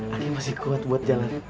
hari masih kuat buat jalan